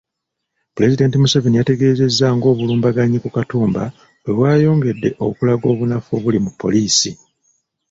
Pulezidenti Museveni yategeezezza ng’obulumbaganyi ku Katumba bwe bwayongedde okulaga obunafu obuli mu poliisi.